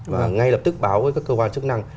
và ngay lập tức báo với các cơ quan chức năng